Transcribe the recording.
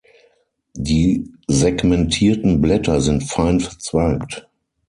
Die segmentierten Blätter sind fein verzweigt.